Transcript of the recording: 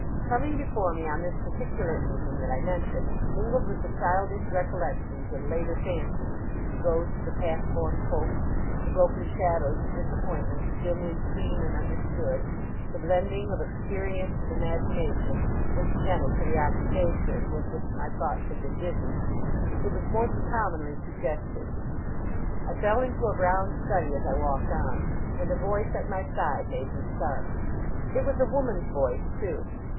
Coming before me, on this particular evening that I mention, mingled with the childish recollections and later fancies, the ghosts of half formed hopes, the broken shadows of disappointments dimly seen and understood, the blending of experience and imagination, incidental to the occupation with which my thoughts had been busy, it was more than commonly suggestive. I fell into a brown study as I walked on, and a voice at my side made me start. It was a woman's voice, too.